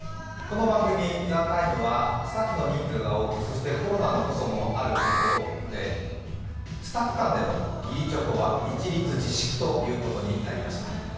この番組、「ＴＨＥＴＩＭＥ，」はスタッフの人数も多くそしてコロナのこともあって、スタッフ間での義理チョコは一律自粛ということになりました。